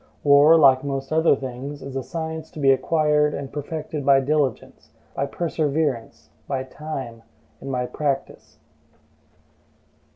War, like most other things, is a science to be acquired and perfected by diligence, by perseverance, by time, and by practice.